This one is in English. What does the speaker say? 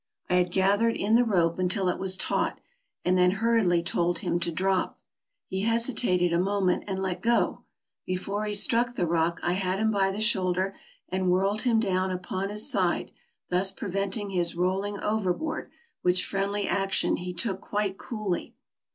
I had gathered in the rope until it was taut, and then hurriedly told him to drop. He hesi tated a moment and let go. Before he struck the rock I had him by the shoulder, and whirled him down upon his side, thus preventing his rolling overboard, which friendly action he took quite coolly.